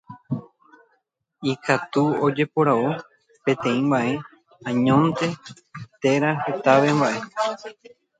Ikatu ojeporavo peteĩ mbaʼe añónte térã hetave mbaʼe.